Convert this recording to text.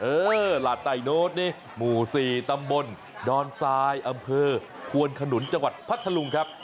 หลาดไต่โน้ตนี่หมู่๔ตำบลดอนทรายอำเภอควนขนุนจังหวัดพัทธลุงครับ